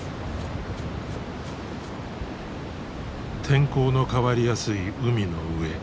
天候の変わりやすい海の上。